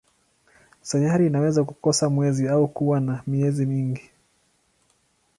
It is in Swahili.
Sayari inaweza kukosa mwezi au kuwa na miezi mingi.